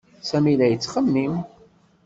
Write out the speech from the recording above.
Sami la yettxemmim.